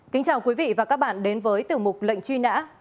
kính chào quý vị và các bạn đến với tiểu mục lệnh truy nã